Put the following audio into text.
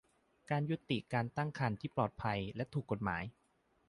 การยุติการตั้งครรภ์ที่ปลอดภัยและถูกกฎหมาย